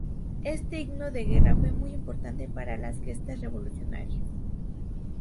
Este himno de guerra fue muy importante para las gestas revolucionarias.